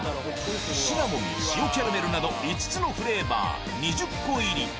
シナモン、塩キャラメルなど、５つのフレーバー、２０個入り。